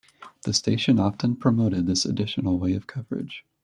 The station often promoted this additional way of coverage.